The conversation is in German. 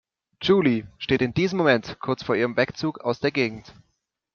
Julie steht in diesem Moment kurz vor ihrem Wegzug aus der Gegend.